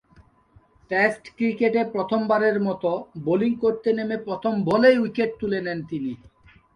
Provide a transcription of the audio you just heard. Test ক্রিকেটে প্রথমবারের মতো বোলিং করতে নেমে প্রথম বলেই উইকেট তুলে নেন তিনি।